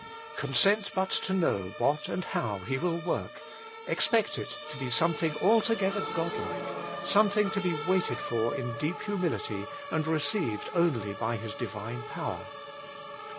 Consent but to know what and how He will work ; expect it to be some thing altogether godlike, something to be waited for in deep humility, and received only by His * divine power.